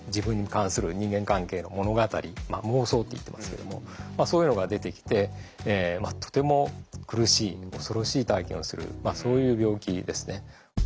妄想って言ってますけどもそういうのが出てきてとても苦しい恐ろしい体験をするそういう病気ですね。